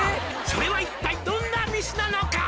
「それは一体どんなミスなのか」